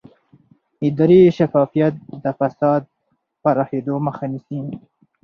اداري شفافیت د فساد د پراخېدو مخه نیسي